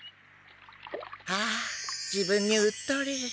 ああ自分にうっとり。